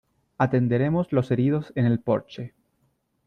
Atenderemos los heridos en el porche.